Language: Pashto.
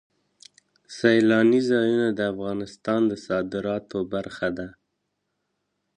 سیلانی ځایونه د افغانستان د صادراتو برخه ده.